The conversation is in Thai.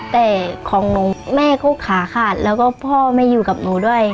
แต่ของหนูแม่ก็ขาขาดแล้วก็พ่อไม่อยู่กับหนูด้วย